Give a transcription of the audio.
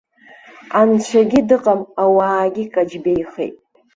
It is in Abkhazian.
Анцәагьы дыҟам ауаагьы каҷбеихеит.